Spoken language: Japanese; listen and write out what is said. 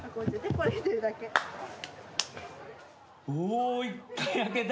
お１回開けた。